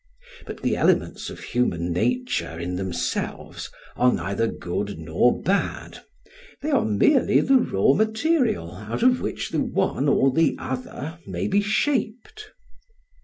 But the elements of human nature in themselves are neither good nor bad; they are merely the raw material out of which the one or the other may be shaped.